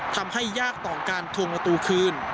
ทำให้ยากต่อการทวงประตูคืน